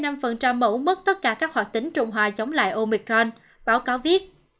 một mươi sáu năm mẫu mất tất cả các họ tính trùng hòa chống lại omicron báo cáo viết